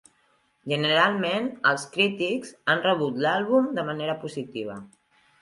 Generalment, els crítics han rebut l'àlbum de manera positiva.